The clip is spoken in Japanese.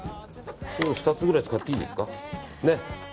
２つぐらい使っていいですか。